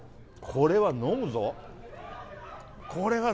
これは飲む。